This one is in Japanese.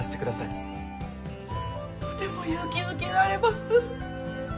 とても勇気づけられます。